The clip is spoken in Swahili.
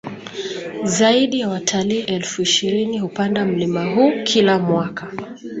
Zaidi ya watalii elfu ishirini hupanda mlima huu kila mwaka